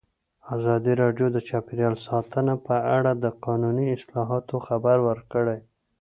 ازادي راډیو د چاپیریال ساتنه په اړه د قانوني اصلاحاتو خبر ورکړی.